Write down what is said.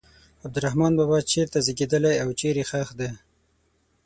عبدالرحمان بابا چېرته زیږېدلی او چیرې ښخ دی.